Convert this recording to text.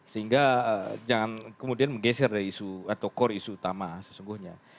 sehingga jangan kemudian menggeser dari isu atau core isu utama sesungguhnya